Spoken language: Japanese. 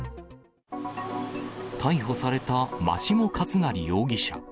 逮捕された真下勝成容疑者。